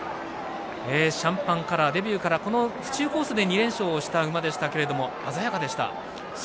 シャンパンカラー、デビューから府中コースで２連勝をした馬でしたが鮮やかでした。